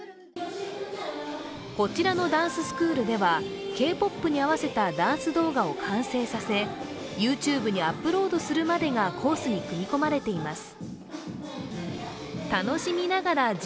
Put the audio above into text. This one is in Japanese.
こちらのダンススクールではＫ−ＰＯＰに合わせたダンス動画を完成させＹｏｕＴｕｂｅにアップロードするまでがコースに組み込まれています。